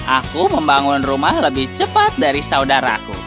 aku membangun rumah lebih cepat dari saudaraku